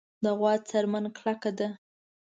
د غوا څرمن کلکه ده.